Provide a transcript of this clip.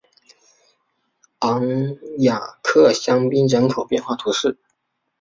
昂雅克香槟人口变化图示